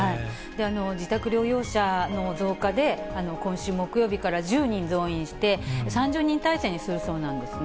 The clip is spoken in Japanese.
自宅療養者の増加で、今週木曜日から１０人増員して、３０人体制にするそうなんですね。